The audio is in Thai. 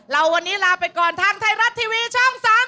วันนี้ลาไปก่อนทางไทยรัฐทีวีช่อง๓๒